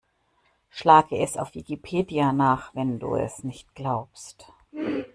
Schlage es auf Wikipedia nach, wenn du es nicht glaubst!